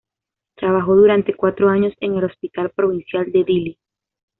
Trabajó durante cuatro años en el Hospital Provincial de Dili.